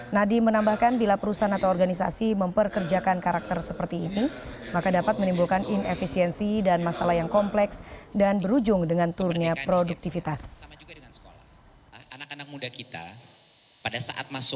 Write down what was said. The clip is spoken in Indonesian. nadiem menambahkan bila perusahaan atau organisasi memperkerjakan karakter seperti ini maka dapat menimbulkan inefisiensi dan masalah yang kompleks dan berujung dengan turunnya produktivitas